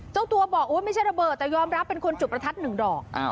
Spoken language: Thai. เจ้าตัวบอกไม่ใช่ระเบิดแต่ยอมรับเป็นคนจุดประทัดหนึ่งดอก